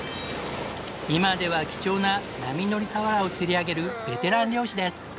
今では貴重な波乗り鰆を釣り上げるベテラン漁師です。